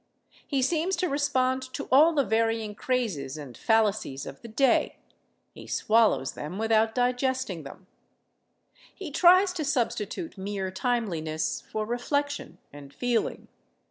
He seems to respond to all the varying crazes and fallacies of the day; he swallows them without digesting them; he tries to substitute mere timeliness for reflection and feeling.